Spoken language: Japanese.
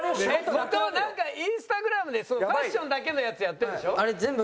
後藤なんかインスタグラムでファッションだけのやつやってるんでしょ？